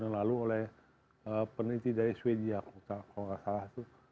jadi kita sudah melihat peneliti dari sweden kalau tidak salah